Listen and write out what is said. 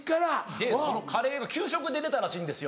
でそのカレーが給食で出たらしいんですよ。